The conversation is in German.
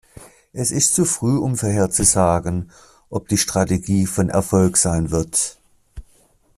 Es ist zu früh, um vorherzusagen, ob die Strategie von Erfolg sein wird.